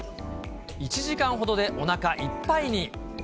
１時間ほどでおなかいっぱいに。